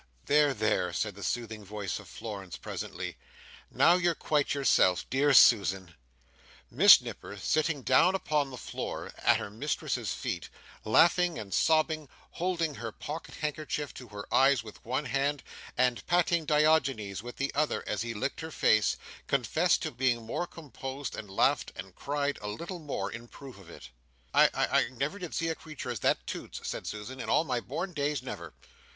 "There, there!" said the soothing voice of Florence presently. "Now you're quite yourself, dear Susan!" Miss Nipper, sitting down upon the floor, at her mistress's feet, laughing and sobbing, holding her pocket handkerchief to her eyes with one hand, and patting Diogenes with the other as he licked her face, confessed to being more composed, and laughed and cried a little more in proof of it. "I I I never did see such a creetur as that Toots," said Susan, "in all my born days never!"